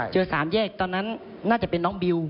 สามแยกตอนนั้นน่าจะเป็นน้องบิว